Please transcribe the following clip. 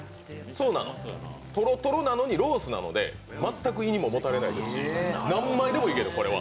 そうなの、トロトロなのにロースなので全く胃ももたれないし何枚でもいける、これは。